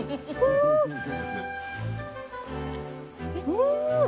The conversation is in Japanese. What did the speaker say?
うん。